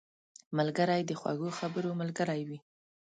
ملګری د خوږو خبرو ملګری وي